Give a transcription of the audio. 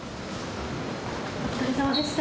お疲れさまでした。